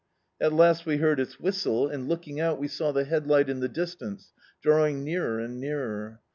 At last we heaid its whistle, and, looking out, we saw the headlight in the distance, drawing nearer and nearer.